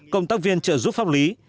công tác viên trợ giúp pháp lý